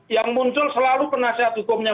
yang muncul selalu penasehat hukumnya